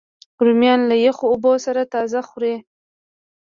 رومیان له یخو اوبو سره تازه خوري